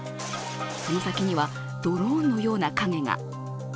その先にはドローンのような影が。